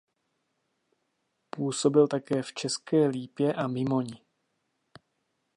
Působil také v České Lípě a Mimoni.